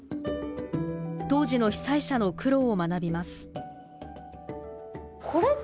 当時の被災者の苦労を学びます。